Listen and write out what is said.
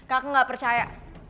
kakak gak percaya